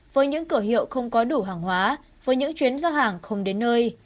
với những cửa hiệu không có đủ hàng hóa với những chuyến giao hàng không đến nơi